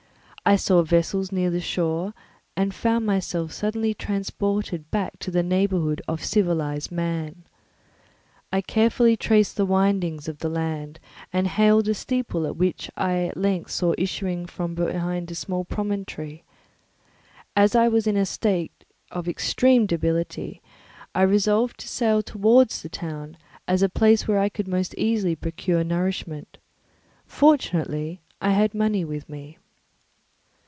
I saw vessels near the shore and found myself suddenly transported back to the neighbourhood of civilised man. I carefully traced the windings of the land and hailed a steeple which I at length saw issuing from behind a small promontory. As I was in a state of extreme debility, I resolved to sail directly towards the town, as a place where I could most easily procure nourishment. Fortunately I had money with me.